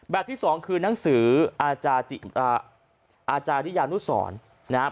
ที่สองคือนังสืออาจารย์ริยานุสรนะครับ